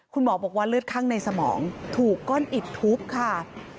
คุณหมอบอกว่าเลือดข้างในสมองถูกก้อนอิดทุบค่ะ